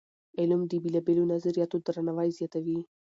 علم د بېلابېلو نظریاتو درناوی زیاتوي.